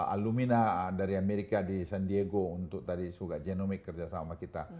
alumni dari amerika di san diego untuk tadi juga genomic kerjasama sama kita